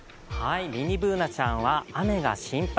ミニＢｏｏｎａちゃんは雨が心配。